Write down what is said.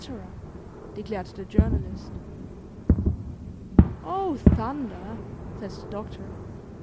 declared the Journalist. "Oh, thunder," said the Doctor.